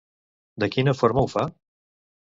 De quina forma ho fa?